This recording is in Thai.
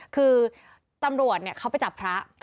คือตำรวจเขาไปจับพระ